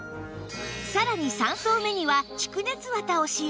さらに３層目には蓄熱綿を使用